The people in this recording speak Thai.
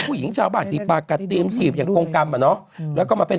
ผู้หญิงชาวบ้านที่ปรากฏตีเอ็มทีอย่างโกงกรรมแล้วก็มาเป็น